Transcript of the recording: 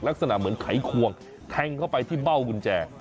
ลักษณะเหมือนไขควงแทงเข้าไปที่เบ้ากุญแจ